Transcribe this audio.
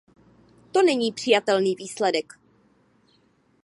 To není přijatelný výsledek.